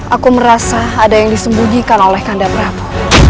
aku merasa ada yang disembunyikan oleh kanda prabu